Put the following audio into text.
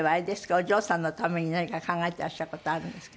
お嬢さんのために何か考えてらっしゃる事あるんですか？